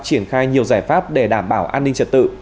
triển khai nhiều giải pháp để đảm bảo an ninh trật tự